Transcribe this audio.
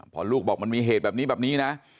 พอลูกบอกมันมีเหตุแบบนี้แบบนี้นะ